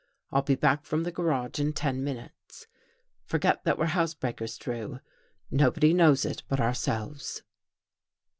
I'll be back from the gar age in ten minutes. Forget that we're house breakers, Drew. Nobody knows it but ourselves."